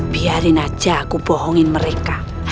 biarin aja aku bohongin mereka